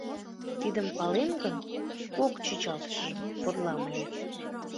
— Тидым палем гын, кок чӱчалтышыжым подылам ыле.